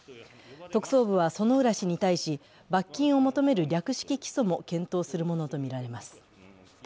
特捜部は薗浦氏に対し罰金を求める略式起訴も検討するのとみられます。